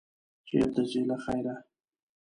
چېرته ځې، له خیره؟